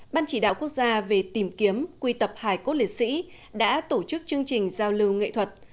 ban chỉ đạo quốc gia về tìm kiếm quy tập hải cốt liệt sĩ đã tổ chức chương trình giao lưu nghệ thuật